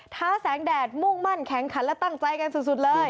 แสงแดดมุ่งมั่นแข็งขันและตั้งใจกันสุดเลย